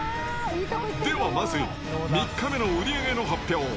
では、まず、３日目の売り上げの発表。